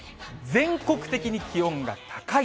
全国的に気温が高い。